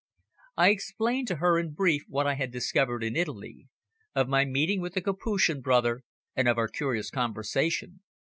I explained to her in brief what I had discovered in Italy: of my meeting with the Capuchin brother and of our curious conversation.